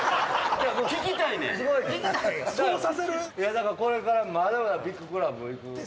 だからこれからまだまだビッグクラブ行く可能性。